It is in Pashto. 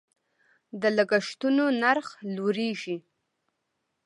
د لګښتونو نرخ لوړیږي.